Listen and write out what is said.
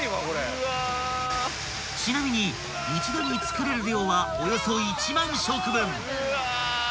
［ちなみに一度に作れる量はおよそ１万食分］